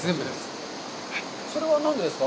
それはなぜですか。